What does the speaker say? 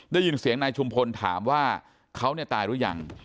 ได้ยินเสียงนายชุมพลถามว่าเขาเนี่ยตายหรือยัง